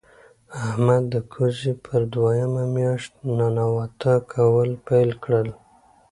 احمد د کوزې پر دویمه مياشت ننواته کول پیل کړل.